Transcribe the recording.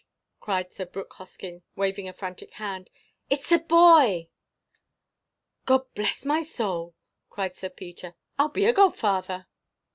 cried Mr. Brooke Hoskyn, waving a frantic hand. "It's a boy!" "Gobblessmysoul!" cried Sir Peter, "I'll be godfather!"